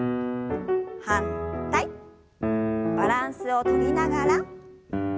バランスをとりながら。